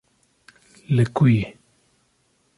li ku yî